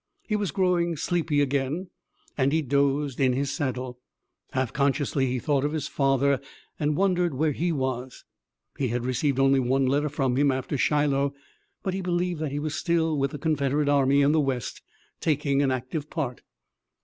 He was growing sleepy again and he dozed in his saddle. Half consciously he thought of his father and wondered where he was. He had received only one letter from him after Shiloh, but he believed that he was still with the Confederate army in the west, taking an active part.